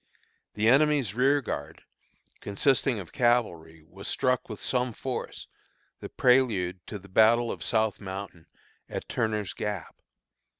The enemy's rearguard, consisting of cavalry, was struck with some force, the prelude of the battle of South Mountain, at Turner's Gap.